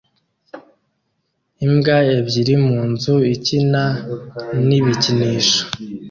Imbwa ebyiri munzu ikina n ibikinisho